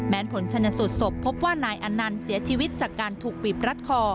ผลชนสูตรศพพบว่านายอนันต์เสียชีวิตจากการถูกบีบรัดคอ